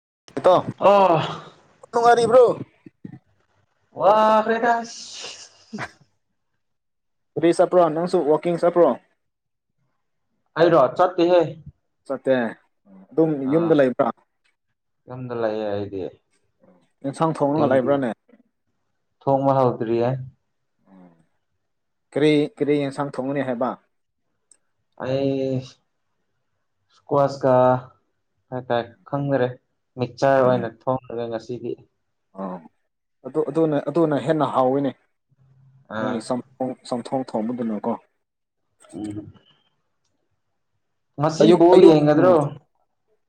ꯑ ꯏꯕ꯭ꯔꯣ ꯋꯥ ꯄꯀꯁ ꯔꯕꯤ ꯆꯠꯄ꯭ꯔꯣ ꯅꯪꯁꯨ ꯋꯥꯋꯀꯤꯡ ꯆꯠꯄ꯭ꯔꯣ ꯑꯩꯔꯣ ꯆꯠꯠꯇꯍꯦ ꯆꯠꯇꯦ ꯑꯗꯨꯝ ꯌꯨꯝꯗ ꯂꯩꯕ꯭ꯔꯥ ꯂꯑꯌꯦ ꯍꯥꯏꯗꯤꯦ ꯏꯟꯁꯥꯡ ꯊꯣꯡꯉ ꯂꯩꯕ꯭ꯔꯥꯅꯦ ꯊꯣꯡꯕ ꯍꯥꯎꯗ꯭ꯔꯤꯌꯦ ꯎꯝ ꯀꯔꯤ ꯀꯔꯤ ꯑꯦꯟꯁꯥꯡ ꯊꯣꯡꯉꯅꯤ ꯍꯥꯏꯕ ꯑꯩ ꯁꯀ꯭ꯋꯥꯁ ꯀ ꯀ ꯀꯥꯏ ꯈꯪꯔꯦ ꯃꯤꯛꯆꯔ ꯑꯣꯏꯅ ꯊꯣꯡꯉꯒ ꯉꯁꯤꯗꯤ ꯑ ꯑꯗꯨ ꯑꯗꯨꯅ ꯑꯗꯨꯅ ꯍꯦꯟꯅ ꯍꯥꯎꯋꯤꯅꯦ ꯑꯥ ꯅꯪꯒꯤ ꯆꯝꯊꯣꯡ ꯊꯣꯡꯝꯕꯗꯨꯅꯀꯣ ꯎꯝ ꯉꯁꯤ ꯑꯌꯨ ꯕꯣꯜ ꯑꯌꯨ ꯎꯝ ꯌꯦꯡꯒꯗ꯭ꯔꯣ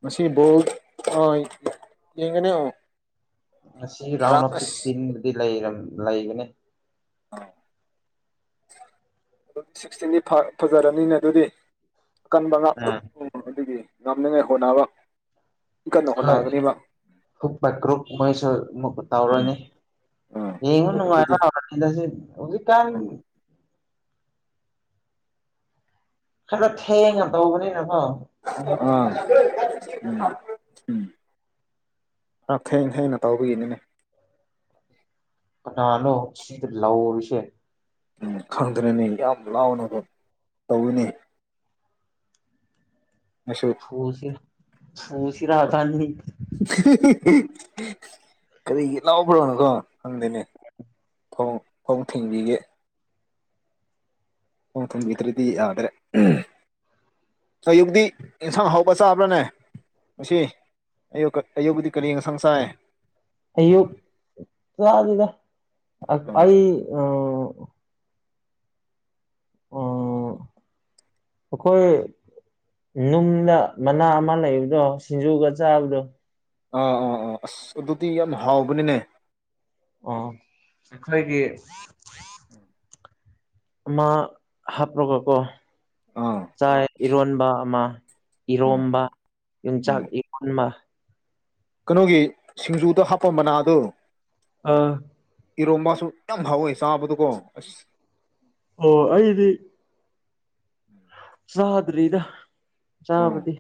ꯃꯁꯤ ꯣꯜ ꯑ ꯌꯦꯒꯅꯦ ꯉ ꯔꯥꯎꯟ ꯑꯣꯐ ꯁꯤꯛꯁꯇꯤꯟꯗꯗꯤ ꯂꯩꯒꯅꯤ ꯑꯥ ꯑꯗꯨꯗꯤ ꯁꯤꯛꯁꯇꯤꯟꯗꯤ ꯐꯖꯔꯅꯤꯅ ꯑꯗꯨꯗꯤ ꯑꯀꯟꯕ ꯉꯥꯛꯇ ꯎꯝ ꯑꯗꯨꯒꯤ ꯉꯝꯅꯤꯡꯉꯥꯏ ꯍꯣꯠꯅꯕ ꯀꯟꯅ ꯍꯣꯏ ꯍꯣꯠꯅꯒꯅꯤꯕ ꯍꯛ ꯄꯥꯏꯀ꯭ꯔꯨꯛ ꯃꯣꯏꯁꯨ ꯑꯃꯨꯛ ꯎꯝ ꯇꯥꯎꯔꯅꯤ ꯑꯥ ꯑꯩꯉ ꯑꯗꯨ ꯑꯗꯨꯗꯤ ꯅꯨꯡꯉꯥꯏꯅ ꯀꯗꯁꯤ ꯍꯧꯖꯤ ꯀ ꯈꯩꯅ ꯊꯦꯡꯉꯅ ꯇꯧꯕꯅꯤ ꯑꯥ ꯎꯝ ꯎꯝ ꯑꯥ ꯊꯅ ꯊꯩꯅ ꯇꯥꯎꯤꯒꯅꯤꯅꯦ ꯑꯅꯅꯣ ꯁꯤꯤꯗ ꯂꯧꯥꯎꯑꯣꯁ ꯎꯝ ꯈꯪꯗꯅꯅꯦ ꯌꯥꯝ ꯂꯥꯎꯅ ꯑꯗꯨ ꯇꯧꯋꯤꯅꯦ ꯑꯩꯁꯨ ꯑꯣ ꯁꯤ ꯎ ꯁꯤ ꯔꯥꯙꯅꯤ ꯀꯔꯤꯒꯤ ꯂꯥꯎꯕ꯭ꯔꯣꯅꯣꯀꯣ ꯍꯪꯗꯦꯅꯦ ꯐꯣꯡ ꯐꯣꯡ ꯊꯤꯡꯕꯤꯒꯦ ꯊ ꯊꯣꯡꯕꯤꯗ꯭ꯔꯗꯤ ꯌꯥꯗ꯭ꯔꯦ ꯑꯌꯨꯛꯇꯗꯤ ꯏꯟꯁꯥꯡ ꯍꯧꯕ ꯆꯥꯕ꯭ꯔꯥꯅꯦ ꯉ ꯑ ꯑꯌꯨꯕꯨꯗꯤ ꯀꯔꯤ ꯉꯁꯪ ꯁꯥꯏ ꯑꯌꯨꯛ ꯆꯥꯗꯨꯗ ꯎꯝ ꯑꯩ ꯑ ꯎꯝ ꯑꯩꯈꯣꯏ ꯅꯨꯡꯗ ꯃꯅꯥ ꯑꯃ ꯂꯩꯕꯗꯣ ꯁꯤꯡꯖꯨꯒ ꯆꯥꯕꯗꯣ ꯑꯥ ꯑꯥ ꯑꯥ ꯑꯁ ꯑꯗꯨꯗꯤ ꯌꯥꯝ ꯍꯥꯎꯕꯅꯤꯅꯦ ꯑꯣ ꯑꯩꯈꯣꯏꯒꯤ ꯎꯝ ꯃꯥ ꯍꯥꯞ꯭ꯔꯒ ꯀꯣ ꯑꯥ ꯆꯥꯛ ꯏꯔꯣꯟꯕ ꯑꯃ ꯎꯝ ꯏꯔꯣꯝꯕ ꯏ ꯆ ꯎꯝ ꯏꯟꯃ ꯀꯩꯅꯣꯒꯤ ꯁꯤꯡꯖꯨꯗ ꯍꯥꯞꯄ ꯃꯅꯥꯗ ꯑꯥ ꯏꯔꯣꯝꯕꯁꯨ ꯌꯥꯝ ꯍꯥꯎꯋꯦ ꯆꯥꯕꯗꯨꯀꯣ ꯑꯁ ꯑꯣ ꯑꯩꯗꯤ ꯎꯝ ꯆꯥꯗ꯭ꯔꯤꯗ ꯎꯝ ꯆꯥꯕꯗꯤ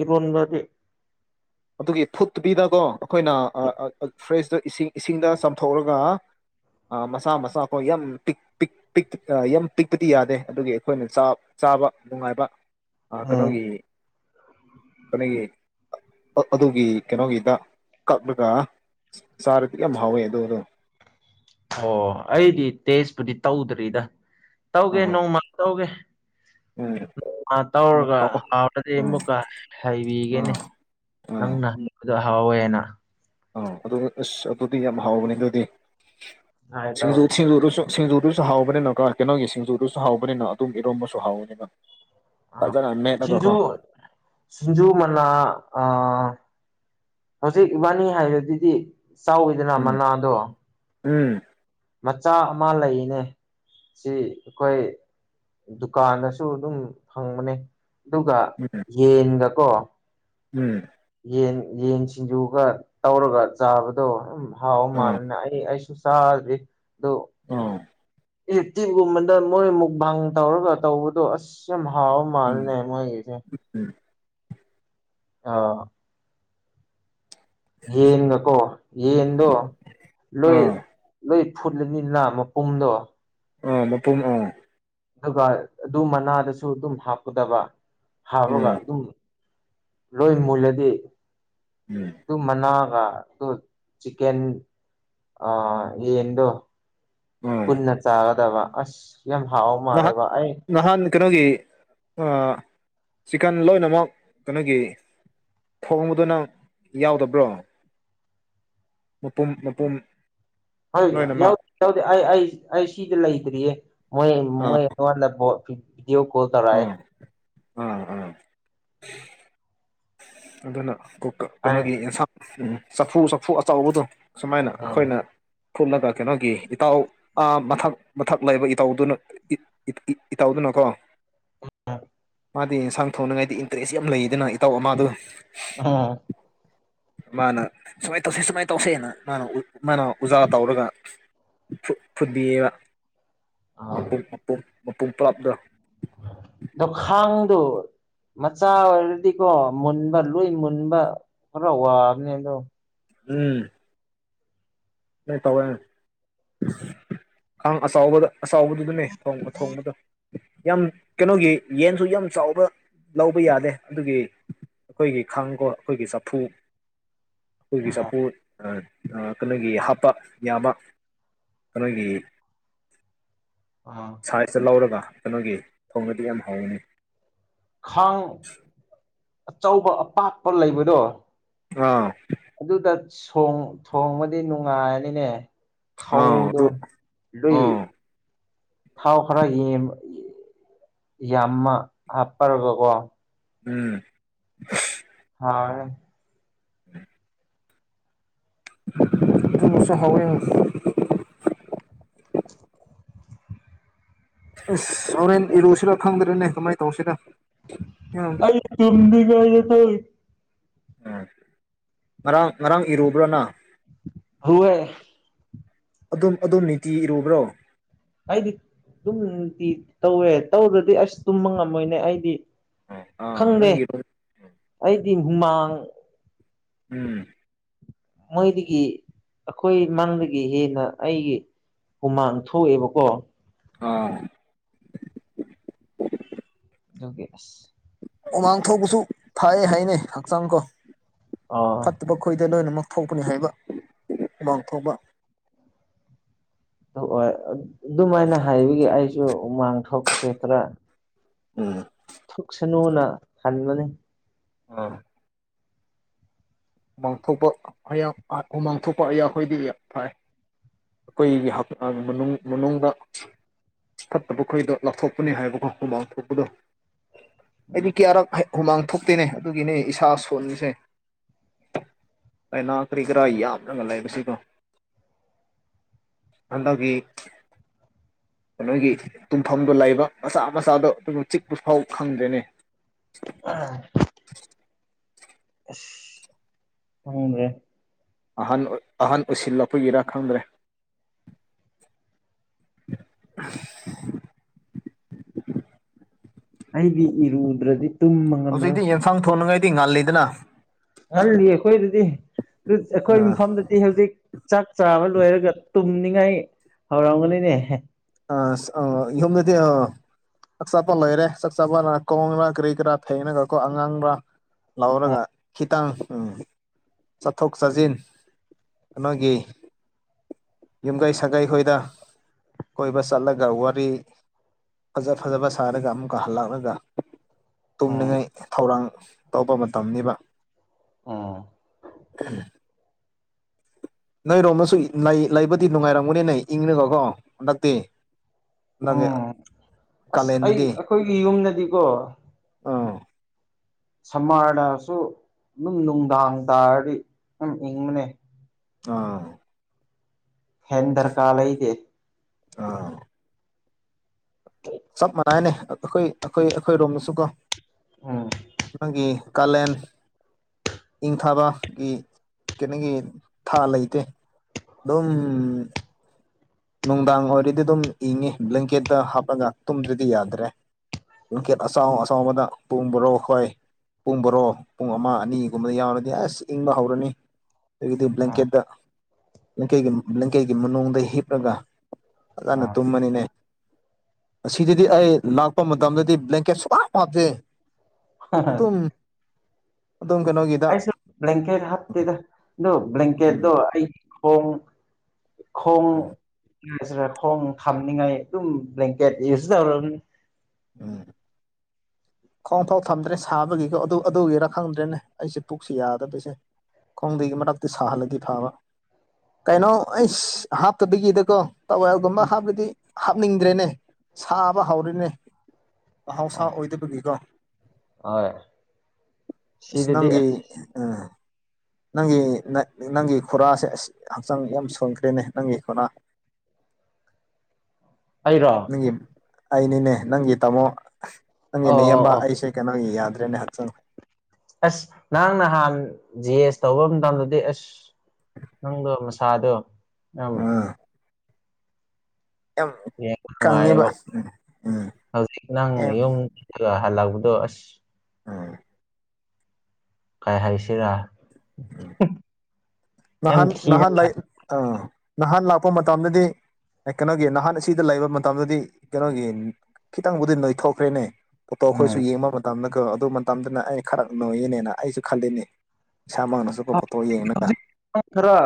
ꯏꯔꯣꯟꯕꯗꯤ ꯑꯗꯨꯒꯤ ꯐꯨꯠꯇꯕꯤꯗꯀꯣ ꯑꯩꯈꯣꯏꯅ ꯐ꯭ꯔꯦꯁꯇ ꯏꯁꯤꯡ ꯏꯁꯤꯡꯗ ꯆꯥꯝꯊꯣꯛꯔꯒ ꯃꯆꯥ ꯃꯆꯥꯥ ꯀꯣ ꯌꯥꯝ ꯌꯥꯝ ꯄꯤꯛꯄꯗꯤ ꯌꯥꯗꯦ ꯑꯗꯨꯒꯤ ꯑꯩꯈꯣꯏꯅ ꯆꯥꯛ ꯆꯥꯕ ꯅꯨꯡꯉꯥꯏꯕ ꯎꯝ ꯀꯩꯅꯣꯒꯤ ꯀꯩꯅꯣꯒꯤ ꯑꯗꯨꯒꯤ ꯀꯩꯅꯣꯒꯤꯗ ꯀꯛꯂꯒ ꯁꯔꯊꯤꯀ ꯍꯋꯦ ꯑꯗꯨꯣ ꯑꯗꯨꯣ ꯑꯣ ꯑꯩꯗꯤ ꯇꯦꯖꯄꯨꯗꯤ ꯇꯧꯗ꯭ꯔꯤꯗ ꯇꯧꯒꯦ ꯑꯥ ꯅꯣꯡꯃ ꯇꯧꯒꯦ ꯎꯝ ꯅꯣꯡꯃ ꯎꯝ ꯇꯧꯔꯒ ꯇꯥꯃꯣ ꯍꯥꯎꯔꯗꯤ ꯎꯝ ꯑꯃꯨꯛꯀ ꯍꯩꯕꯤꯒꯦꯅꯤ ꯑꯥ ꯅꯪꯅ ꯍꯪꯉꯛꯕꯗꯣ ꯑꯍꯥꯎꯋꯦ ꯍꯥꯏꯅ ꯑ ꯑꯗꯨ ꯑꯁ ꯑꯗꯨꯗꯤ ꯌꯥꯝ ꯍꯥꯎꯕꯅꯦ ꯑꯗꯨꯗꯤ ꯍꯥꯏ ꯁꯤꯡꯖꯁꯨ ꯇꯧꯒꯦ ꯁꯤꯡꯖꯨꯗꯨꯁꯨ ꯍꯥꯎꯕꯅꯤꯅꯀ ꯀꯩꯅꯣꯒꯤ ꯁꯤꯡꯖꯨꯗꯨꯁꯨ ꯍꯥꯎꯕꯅꯤꯅ ꯑꯗꯨꯝ ꯏꯔꯣꯝꯕꯁꯨ ꯍꯥꯎꯋꯅꯤꯅ ꯑ ꯁꯤꯁꯤꯡꯖꯨ ꯁꯤꯁꯤꯡꯖꯨ ꯃꯅ ꯑ ꯍꯧꯖꯤꯛ ꯏꯕꯥꯅꯤ ꯍꯥꯏꯕꯗꯨꯗꯤ ꯆꯥꯎꯋꯤꯗꯅ ꯎꯝ ꯃꯅꯥꯗꯣ ꯎꯝ ꯃꯆꯥ ꯑꯃ ꯂꯩꯅꯦ ꯁꯤ ꯑꯩꯈꯣꯏ ꯗꯨꯀꯥꯟꯗꯁꯨ ꯑꯗꯨꯝ ꯐꯪꯕꯅꯦ ꯑꯗꯨꯒ ꯎꯝ ꯌꯦꯟꯒꯀꯣ ꯎꯝ ꯌꯦꯟ ꯌꯦꯟ ꯁꯤꯡꯖꯨꯒ ꯇꯧꯔꯒ ꯆꯥꯕꯗꯣ ꯑꯗꯨ ꯍꯥꯎꯕ ꯑꯥ ꯃꯥꯜꯂꯅ ꯑꯩ ꯑꯩꯁꯨ ꯁꯥꯦ ꯑꯗꯨ ꯑꯥ ꯑꯦꯛꯇꯤꯚꯒꯨꯝꯕꯗ ꯃꯣꯏ ꯃꯨꯛ ꯕꯥꯥꯡ ꯇꯧꯔꯒ ꯇꯧꯕꯗꯣ ꯑꯁ ꯍꯥꯎ ꯎꯝ ꯃꯥꯜꯅꯦꯃ ꯏꯁ ꯎꯝ ꯑꯥ ꯌꯦꯟꯒꯀꯣ ꯌꯦꯟꯗꯣ ꯂꯣꯏ ꯑꯥ ꯂꯣꯏ ꯐꯨꯠꯂꯅꯤꯅ ꯃꯄꯨꯝꯗꯣ ꯑꯥ ꯃꯄ ꯑꯥ ꯑꯗꯨꯒ ꯑꯗꯨ ꯃꯅꯥꯗꯁꯨ ꯑꯗꯨꯝ ꯍꯥꯞꯀꯗꯕ ꯍꯥꯞꯔꯒ ꯎꯝ ꯑꯗꯨꯝ ꯂꯣꯏ ꯃꯨꯜꯂꯗꯤ ꯎꯝ ꯑꯗꯨ ꯃꯅꯥꯒ ꯑꯗꯨ ꯆꯟ ꯑ ꯌꯦꯗꯨ ꯑꯥ ꯄꯨꯟꯅ ꯆꯥꯒꯗꯕ ꯑꯁ ꯌꯥꯝ ꯍꯥꯎ ꯅꯍꯥꯟ ꯃꯥꯜꯂꯦꯕ ꯑꯩ ꯅꯍꯥꯟ ꯀꯩꯅꯣꯒꯤ ꯆꯤꯀꯟ ꯂꯣꯏꯅꯃꯛ ꯀꯩꯅꯣꯒꯤ ꯈꯣꯡꯕꯗꯨ ꯅꯪ ꯌꯥꯎꯗꯕ꯭ꯔꯣ ꯃꯄꯨꯝ ꯃꯄꯨꯝ ꯍꯣꯏ ꯌꯥꯎ ꯂꯣꯏꯅꯃꯛ ꯌꯥꯎꯗꯦ ꯑꯩ ꯑꯩ ꯑꯩ ꯁꯤꯗꯤ ꯂꯩꯇ꯭ꯔꯤꯌꯦ ꯃꯣꯏ ꯑꯥ ꯃꯣꯏ ꯑꯩꯉꯣꯟꯗ ꯗꯤꯑꯣ ꯀꯣꯜ ꯇꯔꯥꯏ ꯑꯥ ꯑꯥ ꯑꯥ ꯑꯗꯨꯅ ꯑꯩ ꯀꯩꯅꯣꯒꯤ ꯑꯦꯟꯁꯥꯡ ꯆꯐꯨ ꯆꯐꯨ ꯑꯆꯕꯗꯣ ꯁꯨꯃꯥꯏꯅ ꯎꯝ ꯑꯩꯈꯣꯏꯅ ꯐꯨꯠꯂꯒ ꯀꯩꯅꯣꯒꯤ ꯏꯇꯥꯎ ꯃꯊꯛ ꯃꯊꯛ ꯂꯩꯕ ꯏꯇꯧꯗꯨꯅ ꯏꯇꯧꯗꯨ ꯅꯀꯣ ꯑ ꯃꯥꯗꯤ ꯌꯦꯟꯁꯥꯡ ꯊꯣꯡꯅꯉꯥꯏꯗꯤ ꯏꯟꯇꯔꯦꯁ ꯌꯥꯝ ꯂꯩꯗꯅ ꯏꯇꯥꯎ ꯑꯃꯗꯣ ꯑꯝ ꯃꯥꯅ ꯁꯨꯃꯥꯏꯅ ꯇꯧꯁꯦ ꯁꯨꯃꯥꯏꯅ ꯇꯧꯁꯦꯅ ꯃꯥꯅ ꯃꯥꯅ ꯎꯖꯥ ꯇꯧꯔꯒ ꯐꯨꯗꯤꯑꯕ ꯃꯄꯨꯝ ꯄꯂꯥꯞꯇ꯭ꯔꯣ ꯃꯆꯥꯥ ꯑꯦꯇꯀ ꯃꯨꯟꯕ ꯂꯨꯏ ꯃꯨꯟꯕ ꯈꯔ ꯋꯥꯕꯅꯦ ꯑꯗꯣ ꯎꯝ ꯅꯣꯏ ꯇꯧꯋꯦ ꯑꯪ ꯑꯆꯕꯗ ꯑꯆꯥꯎꯕꯗꯨꯗꯅꯦ ꯊꯣꯡꯕ ꯊꯣꯡꯕꯗꯣ ꯌꯥꯝ ꯀꯩꯅꯣꯒꯤ ꯌꯦꯟꯁꯨ ꯌꯥꯝ ꯆꯥꯎꯕ ꯂꯧꯕ ꯌꯥꯗꯦ ꯑꯗꯨꯒꯤ ꯑꯩꯈꯣꯏꯒꯤ ꯈꯥꯡꯒ ꯑꯩꯈꯣꯏꯒꯤ ꯆꯐꯨ ꯑꯩꯈꯣꯏꯒꯤ ꯑꯥ ꯆꯐꯨ ꯀꯩꯅꯣꯒꯤ ꯍꯥꯞ ꯍꯥꯠꯄ ꯌꯥꯕ ꯑꯩꯈꯣꯏꯒꯤ ꯑꯥ ꯁꯥꯏꯖꯇ ꯂꯧꯔꯒ ꯑꯗꯨꯩꯅꯣꯒꯤ ꯊꯣꯡꯅꯗꯤ ꯌꯥꯝ ꯍꯥꯎꯅꯤ ꯈꯥꯡ ꯑꯆꯧꯕ ꯑꯄꯥꯛꯄ ꯂꯩꯕꯗꯣ ꯑꯥ ꯑꯗꯨꯗ ꯊꯣꯡꯕꯗꯤ ꯅꯨꯡꯉꯥꯏꯔꯅꯤꯅꯦ ꯑꯥ ꯍꯥꯎꯗꯣ ꯑꯗꯨ ꯂꯏ ꯑꯥ ꯊꯥꯎ ꯈꯔ ꯌꯥꯝꯃ ꯍꯥꯞꯄꯔꯒꯀꯣ ꯎꯝ ꯍꯥꯎ ꯎꯝ ꯊꯃꯁꯨꯣ ꯍꯋ ꯑꯁ ꯍꯣꯔꯦꯟ ꯏꯔꯨꯁꯤꯔꯣ ꯈꯪꯗ꯭ꯔꯦꯅꯦ ꯀꯃꯥꯏꯅ ꯇꯧꯁꯤꯔ ꯌꯥꯝ ꯑꯩ ꯇꯨꯨꯝꯗꯤꯒꯥꯏ ꯌꯦ ꯇ ꯎꯝ ꯉꯔꯥꯡ ꯉꯔꯥꯡ ꯏꯔꯨꯕ꯭ꯔꯅ ꯍꯨꯑ ꯑꯗꯨꯝ ꯑꯗꯨꯝ ꯅꯤꯇꯤ ꯏꯔꯨꯕ꯭ꯔꯣ ꯑꯩꯗꯤ ꯑꯗꯨꯝꯗꯤ ꯇꯧꯋꯦ ꯇꯧꯔꯗꯤ ꯑꯁ ꯇꯨꯝꯕ ꯉꯝꯃꯣꯏꯅꯦ ꯑꯩꯗꯤ ꯑ ꯑꯥ ꯈꯪꯗꯦ ꯅꯪꯔ ꯑꯩꯗꯤ ꯍꯨꯃꯥꯡ ꯎꯝ ꯃꯣꯏꯗꯒꯤ ꯑꯩꯈꯣꯏ ꯏꯃꯥꯡꯗꯒꯤ ꯍꯦꯟꯅ ꯑꯩꯒꯤ ꯎꯨꯃꯥꯟ ꯊꯣꯛꯑꯦꯕꯀꯣ ꯑꯥ ꯌꯒꯦꯁ ꯎꯃꯥꯡ ꯊꯣꯛꯄꯁꯨ ꯐꯥꯏ ꯍꯥꯏꯅꯦ ꯍꯛꯆꯥꯡ ꯀꯣ ꯑꯥ ꯐꯠꯇꯕ ꯈꯣꯏꯗ ꯂꯣꯏꯅꯃꯛ ꯊꯣꯛꯄꯅꯤ ꯍꯥꯏꯕ ꯃꯥꯡꯊꯣꯛꯕ ꯍꯣꯏ ꯑꯗꯨꯃꯥꯏꯅ ꯍꯥꯏꯕꯒꯤꯦ ꯑꯩꯁꯨ ꯎꯃꯥꯡ ꯊꯣꯛꯄꯁꯦ ꯈꯔ ꯎꯝ ꯈꯨꯛ ꯁꯅꯨꯅ ꯍꯟꯕꯅꯤ ꯑ ꯃꯥꯡꯊꯣꯛꯄ ꯑ ꯎꯃꯥꯡ ꯊꯣꯛꯣꯛꯄ ꯑꯩꯌꯥꯈꯣꯏꯗꯤ ꯐꯥꯏ ꯑꯩꯈꯣꯏꯒꯤ ꯃꯅꯨꯡꯗ ꯐꯠꯇꯕ ꯈꯣꯏꯗꯣ ꯂꯥꯞꯊꯣꯛꯄꯅꯤ ꯍꯥꯏꯕꯀꯣ ꯃꯃꯥꯡ ꯊꯣꯛꯄꯗꯣ ꯑꯩꯗꯤ ꯀꯌꯥꯔꯛ ꯍꯨꯃꯥꯡ ꯊꯣꯛꯇꯦꯅꯦ ꯑꯗꯨꯒꯤꯅꯦ ꯏꯁꯥ ꯁꯣꯟꯁꯦ ꯑꯩꯅꯥ ꯀꯔꯤ ꯀꯔꯥ ꯌꯥꯝꯅꯒ ꯂꯩ ꯁꯤꯗꯣ ꯍꯟꯗꯒꯤ ꯅꯣꯏꯒꯤ ꯇꯨꯝꯐꯝꯗꯣ ꯂꯩꯕ ꯃꯆꯥ ꯃꯆꯥꯗꯣ ꯑꯗꯨꯝ ꯆꯤꯛꯄ ꯐꯥꯎ ꯈꯪꯗ꯭ꯔꯦꯅꯤ ꯑꯥ ꯎꯦ ꯑꯍꯟ ꯑꯍꯟ ꯑꯣꯏꯁꯤꯜꯂꯛꯄꯒꯤꯔꯥ ꯈꯪꯗ꯭ꯔꯦ [inaudible] [inaudible] ꯑꯩꯗꯤ ꯏꯔ ꯎꯗ꯭ꯔꯗꯤ ꯍꯧꯖꯤꯛ ꯑꯩꯗꯤ ꯌꯦꯟꯐꯥꯡ ꯊꯣꯡꯅꯉꯥꯏꯗꯤ ꯉꯥꯜꯂꯤꯗꯅ ꯉꯍꯜꯂꯤ ꯑꯩꯈꯣꯏꯗꯗꯤ ꯑꯩꯈꯣꯏ ꯃꯐꯝꯗꯗꯤ ꯍꯧꯖꯤꯛ ꯆꯥꯛ ꯆꯥꯃ ꯂꯣꯏꯔꯒ ꯇꯨꯝꯅꯤꯡꯉꯥꯏ ꯍꯧꯔꯝꯒꯅꯤꯅꯦ ꯑ ꯑ ꯌꯣꯅꯗꯤ ꯑ ꯆꯥꯛꯆꯥꯄ ꯂꯣꯏꯔꯦ ꯆꯥꯛ ꯆꯥꯄꯅ ꯀꯣꯡꯕ꯭ꯔꯥ ꯀꯔꯤ ꯀꯔꯥ ꯐꯦꯡꯅꯒꯀꯣ ꯑꯉꯥꯡꯕ꯭ꯔꯥ ꯂꯥꯎꯔꯒ ꯈꯤꯇꯪ ꯆꯠꯊꯣꯛ ꯆꯠꯁꯤꯟ ꯅꯣꯏꯒꯤ ꯌꯨꯝꯒꯩ ꯁꯒꯩ ꯍꯣꯏꯗ ꯀꯣꯏꯕ ꯆꯠꯂꯒ ꯋꯥꯔꯤ ꯐꯖ ꯐꯖꯕ ꯁꯥꯔꯒ ꯑꯃꯨꯛꯀ ꯍꯜꯂꯛꯂꯒ ꯎꯝ ꯇꯨꯝꯅꯤꯡꯉꯥꯏ ꯊꯧꯔꯥꯡ ꯇꯧꯕ ꯃꯇꯝꯅꯤꯕ ꯎꯝ ꯎꯝ ꯅꯣꯏ ꯔꯣꯝꯃꯁꯨ ꯂꯩꯕꯗꯤ ꯅꯨꯡꯉꯥꯏꯔꯝꯒꯨꯅꯦ ꯅ ꯏꯪꯅꯤꯒꯣꯀꯣ ꯍꯟꯗꯛꯇꯤ ꯅꯪꯉ ꯎꯝ ꯑꯁ ꯑꯩ ꯀꯥꯂꯦꯟꯗꯗꯤ ꯑꯩꯈꯣꯏꯒꯤ ꯌꯨꯝꯗꯗꯤꯀꯣ ꯑꯥ ꯁꯝꯃꯥꯔꯗꯁꯨ ꯑꯗꯨꯝ ꯅꯨꯡꯗꯥꯡ ꯇꯥꯔꯗꯤ ꯑꯗꯨꯝ ꯏꯪꯕꯅꯦ ꯑꯥ ꯍꯦꯟ ꯗꯔꯀꯥꯔ ꯂꯩꯗꯦ ꯑꯥ ꯆꯞ ꯃꯥꯟꯅꯩꯅꯦ ꯑꯩꯈꯣꯏ ꯑꯩꯈꯣꯏ ꯑꯩꯈꯣꯏꯔꯣꯝꯗꯁꯨꯀꯣ ꯎꯝ ꯅꯪꯒꯤ ꯀꯂꯦꯟ ꯏꯪꯊꯥꯕꯒꯤ ꯀꯩꯅꯣꯒꯤ ꯊꯥ ꯂꯩꯇꯦ ꯑꯗꯨꯝ ꯅꯨꯡꯗꯥꯡ ꯑꯣꯏꯔꯗꯤ ꯑꯗꯨꯝ ꯏꯪꯉꯤ ꯕ꯭ꯂꯦꯡꯀꯦꯠꯇ ꯍꯥꯞꯂꯒ ꯇꯨꯝꯗ꯭ꯗꯤ ꯌꯥꯗ꯭ꯔꯦ ꯎꯀꯌꯥꯠ ꯑꯁꯥꯎ ꯑꯁꯥꯕꯗ ꯄꯨꯡ ꯣꯔꯣ ꯈꯣꯏ ꯄꯨꯡ ꯕꯣꯔꯣ ꯄꯨꯡ ꯑꯃ ꯑꯅꯤꯒꯨꯝꯕꯗ ꯌꯥꯎꯔꯗꯤ ꯑꯁ ꯏꯪꯕ ꯍꯧꯔꯅꯤ ꯑꯗꯒꯤꯗꯤ ꯑꯥ ꯕ꯭ꯂꯦꯡꯀꯦꯠꯇ ꯀꯦꯠ ꯕ꯭ꯂꯦꯡꯀꯦꯠꯀꯤ ꯃꯅꯨꯡꯗ ꯍꯤꯞꯂꯒ ꯑꯗꯨꯗꯅ ꯑꯥ ꯇꯨꯃꯅꯤꯅꯦ ꯑꯁꯤꯗꯗꯤ ꯑꯩ ꯂꯥꯛꯄ ꯃꯇꯝꯗꯗꯤ ꯕ꯭ꯂꯦꯡꯀꯦꯠ ꯁꯨ ꯀ ꯍꯥꯥꯞꯇꯦ ꯄꯨꯝꯨꯝ ꯑꯩꯁꯨ ꯕ꯭ꯂꯀꯦꯠ ꯍꯥꯞꯇꯗ ꯑꯗꯨ ꯕ꯭ꯂꯀꯦꯠ ꯎꯝ ꯑꯩꯒꯤ ꯍꯣꯡ ꯈꯣꯡ ꯎꯝ ꯈꯣꯡ ꯊꯝꯅꯤꯉꯥꯏ ꯑꯗꯨꯝ ꯕ꯭ꯂꯦꯡꯀꯦꯠ ꯌꯨꯁ ꯇꯧꯔꯕꯅꯤ ꯎꯝ ꯈ꯭ꯋꯥꯣꯡ ꯐꯥꯎ ꯊꯝꯗ꯭ꯔꯦ ꯁꯥꯕꯒꯤꯀꯣ ꯑꯗꯨ ꯑꯗꯨꯒꯤꯔꯥ ꯈꯪꯗ꯭ꯔꯦꯅꯦ ꯑꯩꯁꯦ ꯄꯨꯛꯁꯨ ꯌꯥꯗꯕꯁꯦ ꯈꯣꯡꯗꯒꯤ ꯃꯅꯥꯛꯇ ꯁꯥꯍꯜꯂꯒ ꯐꯥꯕ ꯀꯩꯅꯣ ꯑꯩꯁ ꯍꯥꯞꯇꯕꯤꯒꯤꯗꯀꯣ ꯇꯋꯥꯏꯒꯨꯝꯕ ꯎꯝ ꯍꯥꯞꯄꯗꯤ ꯍꯥꯞꯅꯤꯡꯗ꯭ꯔꯦꯅꯦ ꯁꯥꯕ ꯍꯧꯔꯦꯅꯦ ꯑꯥꯎꯁ ꯑꯣ ꯑꯣꯏꯗꯕꯒꯤ ꯍꯣꯏ ꯁꯤꯗꯗꯤ ꯏꯁꯤꯅꯪꯒꯤ ꯑꯁ ꯅꯪꯒꯤ ꯅꯪꯒꯤ ꯈꯨꯔꯥꯁꯦ ꯑꯁ ꯍꯛꯆꯥꯡ ꯌꯥꯝ ꯁꯣꯟꯈ꯭ꯔꯦꯅꯦ ꯅꯪꯒꯤ ꯈꯨꯔꯥ ꯑꯩꯔ ꯅꯪꯒꯤ ꯑꯩꯅꯤꯅꯦ ꯅꯪꯒꯤ ꯇꯥꯃꯣ ꯅꯪꯒꯤ ꯑꯣ ꯅꯑꯕ ꯑꯣ ꯑꯩꯁꯦ ꯀꯩꯅꯣꯒꯤ ꯌꯥꯗ꯭ꯔꯦꯅꯦ ꯍꯛꯆꯥꯡ ꯑꯁ ꯅꯪ ꯅꯍꯥꯟ ꯖꯤ ꯑꯦꯁ ꯇꯧꯕ ꯃꯇꯝꯗꯗꯤ ꯑꯁ ꯅꯪꯗꯣ ꯁꯥꯗ ꯎꯝ ꯌꯥꯝ ꯀꯪꯉꯦꯕ ꯅꯨꯡꯉꯥꯏꯕ ꯎꯝ ꯎꯝ ꯍꯧꯖꯤꯛ ꯅꯪ ꯌꯥꯝ ꯌꯨꯝ ꯍꯜꯂꯛꯄꯗ ꯑ ꯑꯁ ꯑ ꯀꯥꯏ ꯍꯥꯏꯁꯤꯔꯥ ꯌꯥꯝ ꯅꯍꯥꯟ ꯊꯤꯅ ꯅꯍꯥꯟ ꯑ ꯅꯍꯥꯟ ꯂꯥꯛꯄ ꯃꯇꯝꯗꯗꯤ ꯑꯦ ꯀꯩꯅꯣꯒꯤ ꯅꯍꯥꯟ ꯁꯤꯗ ꯂꯩꯕ ꯃꯇꯝꯗꯗꯤ ꯀꯩꯅꯣꯒꯤ ꯈꯤꯇꯪꯕꯨꯗꯤ ꯅꯣꯏꯊꯣꯛꯈ꯭ꯔꯦꯅꯦ ꯄꯣꯇꯣ ꯑꯩꯈꯣꯏꯁꯨ ꯎꯝ ꯌꯦꯡꯕ ꯃꯇꯝꯗ ꯀꯣ ꯑꯗꯨ ꯃꯇꯝꯗꯅ ꯑꯩꯅ ꯈꯔ ꯅꯣꯏꯒꯤꯅꯦꯅ ꯑꯩꯁꯨ ꯈꯜꯂꯤꯅꯦ ꯏꯁꯥꯃꯛꯅꯁꯨꯀꯣ ꯄꯣꯇꯣ ꯌꯦꯡꯉꯒ ꯍꯧꯖꯤꯛ ꯈꯔ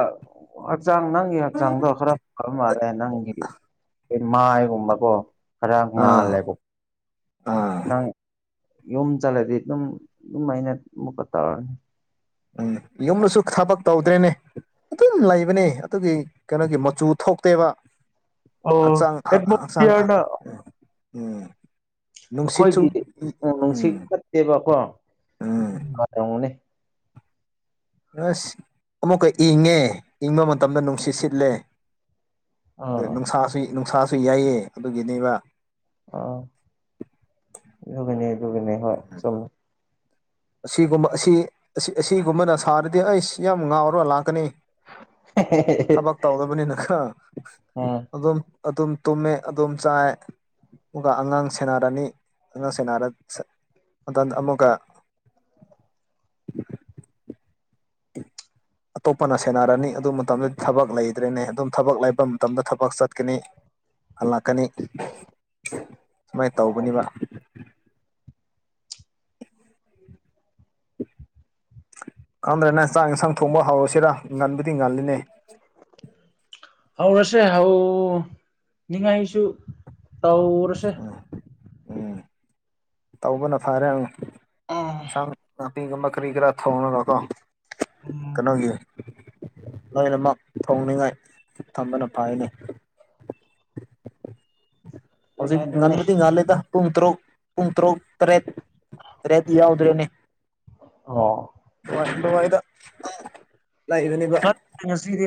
ꯍꯛꯆꯥꯡ ꯅꯪꯒꯤ ꯍꯛꯆꯥꯡꯗꯣ ꯈꯔ ꯐꯕ ꯃꯥꯜꯂꯦ ꯅꯪꯒꯤ ꯃꯥꯏꯒꯨꯝꯕꯀꯣ ꯈꯔ ꯑꯥ ꯉꯥꯜꯂꯦꯕ ꯑꯥ ꯅꯪ ꯌꯣꯨꯝ ꯆꯠꯂꯗꯤ ꯑꯗꯨꯝ ꯑꯗꯨꯝ ꯑꯩꯅ ꯑꯃꯨꯛꯀ ꯇꯧꯔꯅꯤ ꯎꯝ ꯌꯨꯝꯗꯁꯨ ꯊꯕꯛ ꯇꯧꯗ꯭ꯔꯦꯅꯦ ꯑꯗꯨꯝ ꯂꯩꯕꯅꯦ ꯑꯗꯨꯒꯤ ꯀꯩꯅꯣꯒꯤ ꯃꯆꯨ ꯊꯣꯛꯇꯦꯕ ꯑꯣ ꯍꯛꯆꯥꯡ ꯍꯛꯆꯥꯡ ꯑꯦꯠꯃꯣꯁꯐꯤꯌꯔꯅ ꯎꯝ ꯅꯨꯡꯁꯤ ꯆꯨ ꯑꯩꯈꯣꯏꯒꯤ ꯎꯝ ꯅꯨꯡꯁꯤꯠ ꯐꯠꯇꯦꯕꯀꯣ ꯎꯝ ꯇꯧꯅꯤ ꯑꯁ ꯑꯃꯨꯛꯀ ꯏꯪꯉꯦ ꯏꯪꯕ ꯃꯇꯝꯗ ꯅꯨꯡꯁꯤꯠ ꯁꯤꯠꯂꯦ ꯑ ꯑꯥ ꯅꯨꯡꯁꯥꯁꯨ ꯅꯨꯡꯁꯥꯁꯨ ꯌꯥꯏꯑ ꯑꯗꯨꯒꯤꯅꯦꯕ ꯑꯒꯅꯦ ꯕꯅꯦ ꯍ ꯆꯃ ꯑꯁꯤꯒꯨꯝꯕ ꯑꯁꯤ ꯑꯁꯤꯒꯨꯝꯕꯅ ꯁꯥꯔꯗꯤ ꯑꯩꯁ ꯌꯥꯝ ꯉꯥꯎꯔꯒ ꯂꯥꯛꯀꯅꯤ ꯊꯕꯛ ꯇꯧꯗꯕꯅꯤꯅꯀ ꯎꯝ ꯑꯗꯨꯝ ꯑꯗꯨꯝ ꯇꯨꯝꯃꯦ ꯑꯗꯨꯝ ꯆꯥꯏ ꯑꯃꯨ ꯑꯉꯥꯡ ꯁꯦꯟꯅꯔꯅꯤ ꯑꯉꯥꯡ ꯁꯦꯟꯅꯔꯗ ꯑꯃꯨꯛꯀ ꯎ ꯑꯇꯣꯞꯄꯅ ꯁꯦꯟꯅꯔꯅꯤ ꯑꯗꯨ ꯃꯇꯝꯗꯗꯤ ꯊꯕꯛ ꯂꯩꯗ꯭ꯔꯦꯅꯦ ꯑꯗꯨꯝ ꯊꯕꯛ ꯂꯩꯕ ꯃꯇꯝꯗ ꯊꯕꯛ ꯆꯠꯀꯅꯤ ꯍꯜꯂꯛꯀꯅꯤ ꯁꯨꯃꯥꯏꯅ ꯇꯧꯒꯅꯦꯕ [inaudible] ꯀꯪꯗ꯭ꯔꯦꯅ ꯆꯥꯛ ꯌꯦꯟꯁꯥꯡ ꯊꯣꯡꯕ ꯍꯥꯎꯔꯁꯤꯔ ꯉꯟꯕꯨꯗꯤ ꯉꯜꯂꯤꯅꯦ ꯍꯥꯎ ꯑꯁꯦ ꯍꯥꯎ ꯅꯤꯡꯉꯥꯏꯁꯨ ꯇꯧꯔꯁꯦ ꯎꯝ ꯎꯝ ꯇꯧꯕꯅ ꯐꯔꯦ ꯑꯝ ꯏꯁꯟꯁꯥ ꯇꯤꯒ ꯃꯔꯤ ꯈꯔ ꯊꯣꯡꯅꯒꯀꯣ ꯎꯝ ꯀꯩꯅꯣꯒꯤ ꯂꯣꯏꯅꯃꯛ ꯊꯣꯡꯅꯤꯡꯉꯥꯏ ꯊꯝꯕꯅ ꯐꯥꯏꯅꯤ ꯍꯧꯖꯤ ꯑꯗꯨꯅꯦ ꯑꯗꯨꯅꯦ ꯉꯟꯕꯗꯤ ꯉꯥ ꯂꯩꯦꯇ ꯄꯨꯡ ꯇꯔꯨꯛ ꯄꯨꯡ ꯇꯔꯨꯛ ꯇꯔꯦꯠ ꯇꯔꯦꯠ ꯌꯥꯎꯗ꯭ꯔꯦꯅꯦ ꯑ ꯉꯗ ꯉꯁꯤꯗꯤ